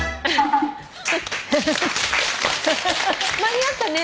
間に合ったね。